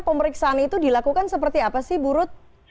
pemeriksaan itu dilakukan seperti apa sih bu rut